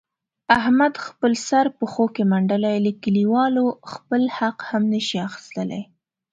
احمد خپل سر پښو کې منډلی، له کلیوالو خپل حق هم نشي اخستلای.